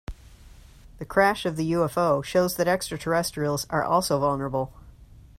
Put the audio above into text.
The crash of the UFO shows that extraterrestrials are also vulnerable.